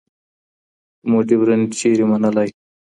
که مو ډيورنډ چيرې منلای